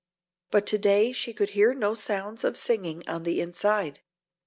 But to day she could hear no sounds of singing on the inside.